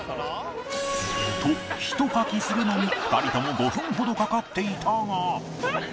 とひとかきするのに２人とも５分ほどかかっていたが